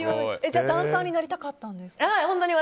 じゃあダンサーになりたかったんですか。